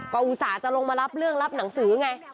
ก็อุตส่าห์จะลงมารับเรื่องรับหนังสือไง